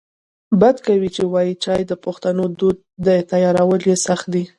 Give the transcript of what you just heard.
بد کوي چې وایې چای د پښتنو دود دی تیارول یې سخت دی